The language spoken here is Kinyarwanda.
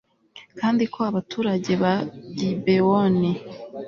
kandi ko abaturage ba gibewoni